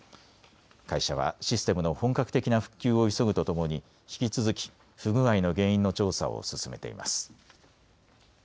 会社はシステムの本格的な復旧を急ぐとともに引き続き不具合の原因の調査を進めています。